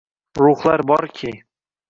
Ruhlar borki